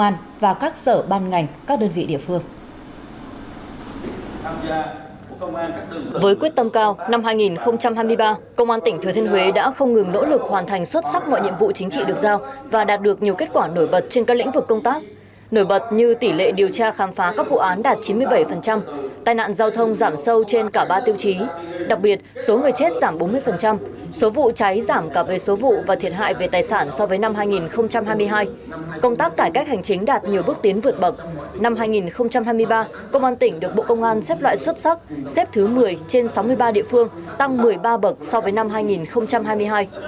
năm hai nghìn hai mươi ba công an tỉnh được bộ công an xếp loại xuất sắc xếp thứ một mươi trên sáu mươi ba địa phương tăng một mươi ba bậc so với năm hai nghìn hai mươi hai